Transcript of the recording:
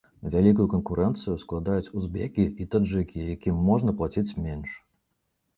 Вялікую канкурэнцыю складаюць узбекі і таджыкі, якім можна плаціць менш.